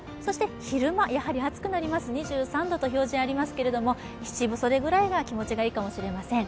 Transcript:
昼間は暑くなります、２３度と表示がありますけれども、七分袖ぐらいが気持ちがいいかもしれません。